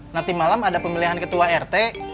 nanti malam ada pemilihan ketua rt